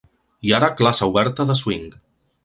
I ara classe oberta de swing !